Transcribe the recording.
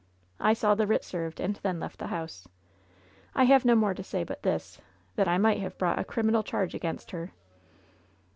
I saw the writ served, and then left the house. I have no more to say but this, that I might have brought a criminal charge against her!"